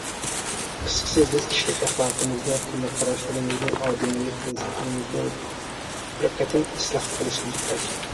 قىسقىسى، بىز كىشىلىك ئەخلاقىمىزنى، قىممەت قاراشلىرىمىزنى، ئادىمىيلىك پىرىنسىپلىرىمىزنى بىر قېتىم ئىسلاھ قىلىشقا موھتاج.